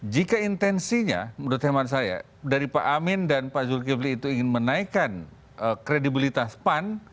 jika intensinya menurut teman saya dari pak amin dan pak zulkifli itu ingin menaikkan kredibilitas pan